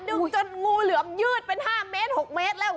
ดึงจนงูเหลือมยืดเป็น๕เมตร๖เมตรแล้ว